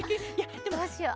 どうしよう。